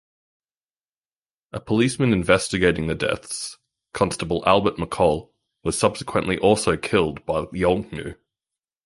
A policeman investigating the deaths, Constable Albert McColl, was subsequently also killed by Yolngu.